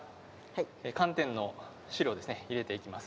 寒天の汁を入れていきます。